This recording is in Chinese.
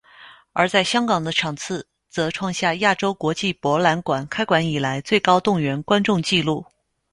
而在香港的场次则创下亚洲国际博览馆开馆以来最高动员观众记录。